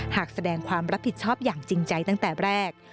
หากแสดงความรับผิดชอบอย่างจริงใจตั้งแต่แรก